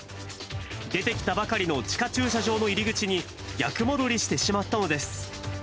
出てきたばかりの地下駐車場の入り口に、逆戻りしてしまったのです。